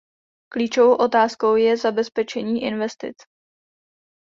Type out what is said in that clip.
Klíčovou otázkou je zabezpečení investic.